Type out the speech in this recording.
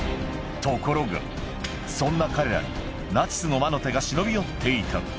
ところが、そんな彼らにナチスの魔の手が忍び寄っていた。